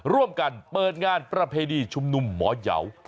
ร่วมกันเปิดงานประเพณีชุมนุมหมอยาว